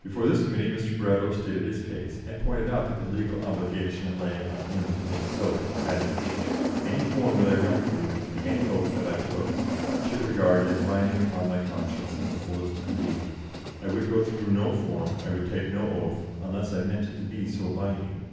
Before this Committee Mr. Bradlaugh stated his case, and pointed out that the legal obligation lay on him to take the oath, adding: "Any form that I went through, any oath that I took, I should regard as binding upon my conscience in the fullest degree. I would go through no form, I would take no oath, unless I meant it to be so binding."